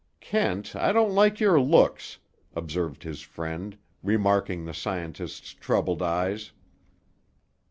"Kent, I don't like your looks," observed his friend, remarking the scientist's troubled eyes.